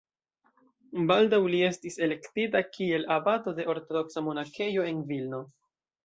Baldaŭ li estis elektita kiel abato de ortodoksa monakejo en Vilno.